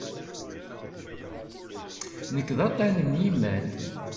Nekk d aṭṭan n yiman.